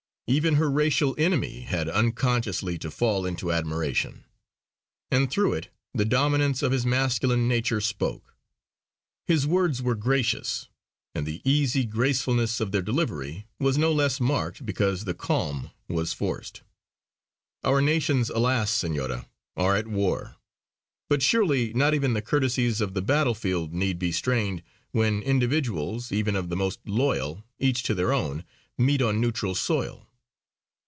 Even her racial enemy had unconsciously to fall into admiration; and through it the dominance of his masculine nature spoke. His words were gracious, and the easy gracefulness of their delivery was no less marked because the calm was forced: "Our nations alas! Senora are at war; but surely not even the courtesies of the battlefield need be strained when individuals, even of the most loyal each to their own, meet on neutral soil!"